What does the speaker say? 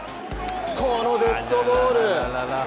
このデッドボール。